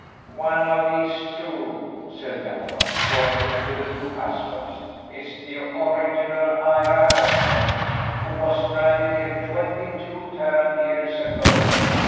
"One of these two," said Gaffa, pointing to the two Haslops, "is the original Ira Haslop, who was stranded here twenty two Terran years ago.